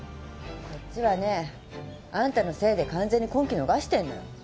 こっちはねあんたのせいで完全に婚期逃してんのよ。